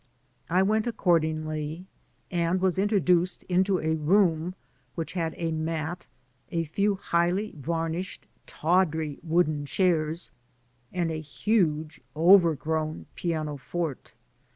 I went accordingly, and was introduced into a room which had a mat, a few highly varnished, tawdry, wooden chidrs, and a huge overgrown piano forte.